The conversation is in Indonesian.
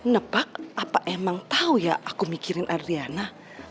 nepak apa emang tau ya aku mikirin adriana